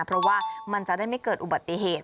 เพราะว่ามันจะได้ไม่เกิดอุบัติเหตุ